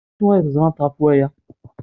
D acu ay teẓramt ɣef waya?